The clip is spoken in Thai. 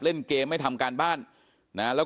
เป็นมีดปลายแหลมยาวประมาณ๑ฟุตนะฮะที่ใช้ก่อเหตุ